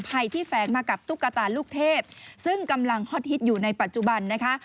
ภัยที่แฝงมากับตุ๊กตาลูกเทพซึ่งกำลังฮอตฮิตอยู่ในปัจจุบันนะคะ